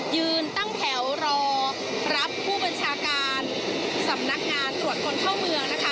ยืนตั้งแถวรอรับผู้บัญชาการสำนักงานตรวจคนเข้าเมืองนะคะ